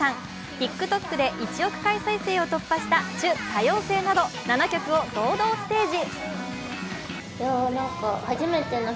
ＴｉｋＴｏｋで１億回再生を達成した「ちゅ、多様性」など７曲を堂々ステージ。